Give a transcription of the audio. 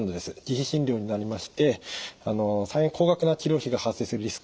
自費診療になりまして大変高額な治療費が発生するリスクがあります。